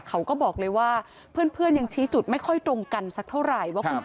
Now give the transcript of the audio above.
เขาก็บอกเลยว่าเพื่อนยังชี้จุดไม่ค่อยตรงกันสักเท่าไหร่ว่าคุณ